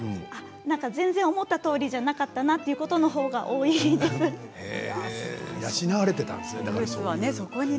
全然思ったとおりではなかったということのほうが養われていたんですね。